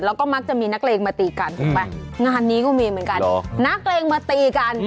แล้วก็มักจะมีนักเลงมาตีกันถูกไหมงานนี้ก็มีเหมือนกันนักเลงมาตีกัน